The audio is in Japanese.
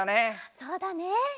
そうだね。